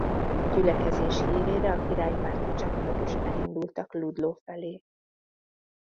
A gyülekezés hírére a királypárti csapatok is elindultak Ludlow felé.